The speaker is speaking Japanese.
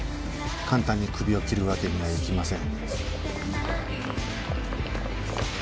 簡単にクビを切るわけにはいきません。